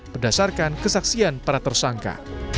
berdasarkan kesaksian para tersangka